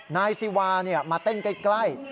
นายซีวามาเต้นใกล้